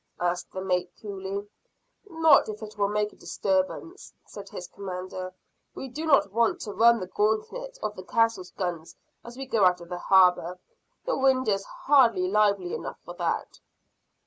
asked the mate coolly. "Not if it will make a disturbance," said his commander. "We do not want to run the gauntlet of the castle's guns as we go out of the harbor. The wind is hardly lively enough for that."